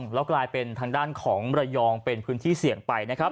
แล้วกลายเป็นทางด้านของระยองเป็นพื้นที่เสี่ยงไปนะครับ